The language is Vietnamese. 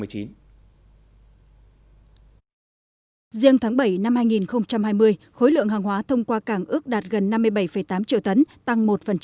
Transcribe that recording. riêng tháng bảy năm hai nghìn hai mươi khối lượng hàng hóa thông qua cảng ước đạt gần năm mươi bảy tám triệu tấn tăng một